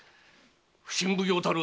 普請奉行たる